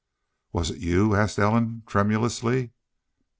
"Was it y'u?" asked Ellen, tremulously.